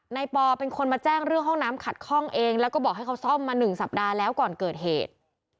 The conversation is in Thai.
ปอเป็นคนมาแจ้งเรื่องห้องน้ำขัดข้องเองแล้วก็บอกให้เขาซ่อมมา๑สัปดาห์แล้วก่อนเกิดเหตุ